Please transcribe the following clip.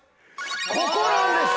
ここなんです！